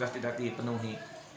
kami tidak bisa dipenuhi